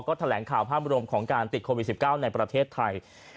ก็แถลงข่าวภาพรวมของการติดโควิด๑๙ในประเทศไทย